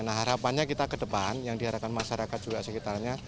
nah harapannya kita ke depan yang diharapkan masyarakat juga sekitarnya